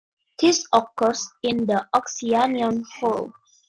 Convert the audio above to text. This occurs in the oxyanion hole.